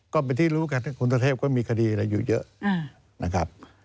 ก็เป็นที่รู้คุณสุทธเทพก็มีคดีอยู่เยอะนะครับ